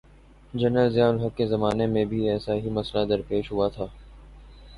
General Zia ul-Haq کے زمانے میں بھی ایسا ہی مسئلہ درپیش ہوا تھا۔